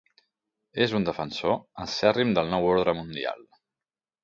És un defensor acèrrim del nou ordre mundial.